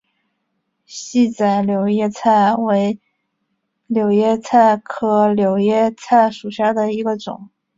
细籽柳叶菜为柳叶菜科柳叶菜属下的一个种。